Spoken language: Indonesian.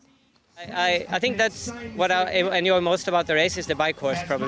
saya pikir itu yang paling saya tahu tentang perjuangan adalah kursi sepeda